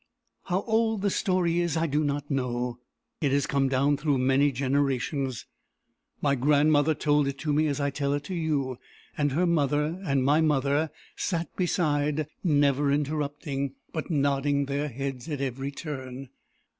"How old the story is, I do not know. It has come down through many generations. My grandmother told it to me as I tell it to you; and her mother and my mother sat beside, never interrupting, but nodding their heads at every turn.